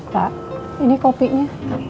pak ini kopinya